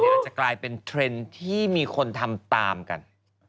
อาจจะกลายเป็นเทรนด์ที่มีคนทำตามกัน